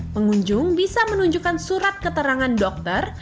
pengunjung bisa menunjukkan surat keterangan dokter